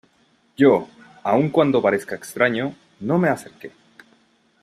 yo, aun cuando parezca extraño , no me acerqué.